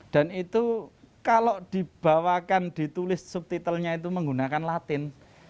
dan itu kalau dibawakan ditulis subtitlenya itu menggunakan latin